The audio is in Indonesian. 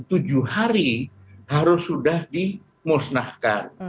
tujuh hari harus sudah dimusnahkan